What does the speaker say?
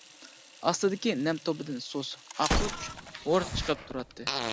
ئاستىدىكى نەم توپىدىن سۇس، ئاقۇچ ھور چىقىپ تۇراتتى.